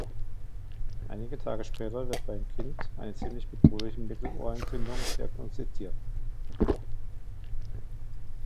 Einige Tage später wird beim Kind eine ziemlich bedrohliche Mittelohrentzündung diagnostiziert.